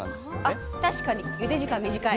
あっ確かにゆで時間短い。